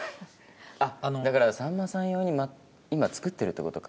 だからさんまさん用に今作ってるって事か。